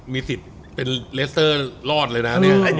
มีสิทธิ์เป็นเลสเตอร์รอดเลยนะเนี่ย